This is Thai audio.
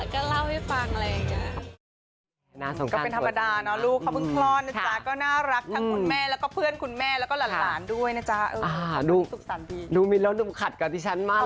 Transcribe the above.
ก็เล่าให้ฟังอะไรอย่างนี้